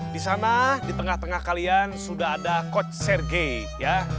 di sana di tengah tengah kalian sudah ada coach serge ya